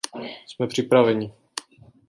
Jsme připraveni.